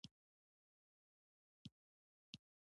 سهار د ښکلو شېبو دوام دی.